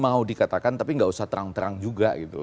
mau dikatakan tapi nggak usah terang terang juga gitu